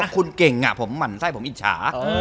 คุณเก่งผมหมั่นไส้ผมอิจฉา